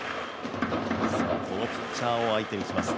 このピッチャーを相手にします。